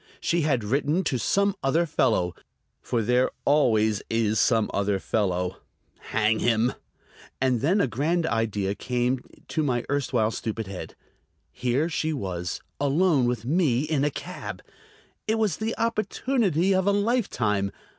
She had written to some other fellow; for there always is some other fellow, hang him!... And then a grand idea came into my erstwhile stupid head. Here she was, alone with me in a cab. It was the opportunity of a lifetime.